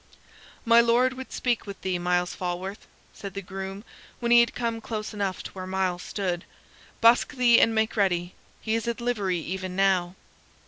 "My Lord would speak with thee, Myles Falworth," said the groom, when he had come close enough to where Myles stood. "Busk thee and make ready; he is at livery even now."